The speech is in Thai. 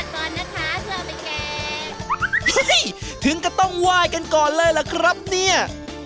เฮ้๊ถึงกระต้องไหวกันก่อนเลยแหละครับเนี่ย